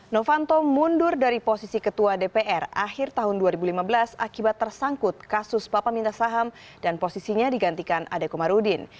novanto mundur dari posisi ketua dpr akhir tahun dua ribu lima belas akibat tersangkut kasus papa minta saham dan posisinya digantikan adekomarudin